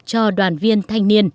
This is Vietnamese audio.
cho đoàn viên thanh niên